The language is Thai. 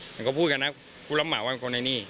เพราะก็พูดกันนะกระบบผู้รับเหมาว่าเป็นคนในนี่